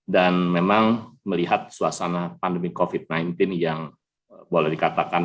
dan memang melihat suasana pandemi covid sembilan belas yang boleh dikatakan